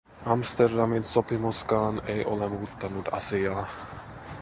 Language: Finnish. Amsterdamin sopimuskaan ei ole muuttanut asiaa.